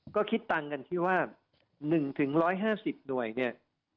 ก็คิดตังกันที่ว่าหนึ่งถึงร้อยห้าสิบหน่วยเนี่ย